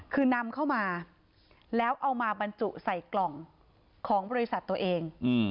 คือนำเข้ามาแล้วเอามาบรรจุใส่กล่องของบริษัทตัวเอง